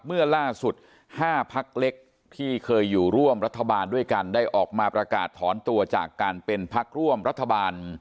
เมื่อล่าสุด๕พักเล็กที่เคยอยู่ร่วมรัฐบาลด้วยกันได้ออกมาประกาศถอนตัวจากการเป็นพักร่วมรัฐบาล